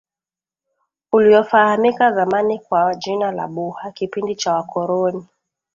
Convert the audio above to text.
uliofahamika zamani kwa jina la buha kipindi cha wakoroni